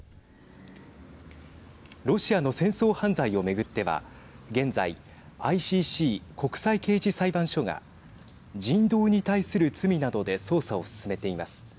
ロシアの戦争犯罪を巡っては現在、ＩＣＣ＝国際刑事裁判所が人道に対する罪などで捜査を進めています。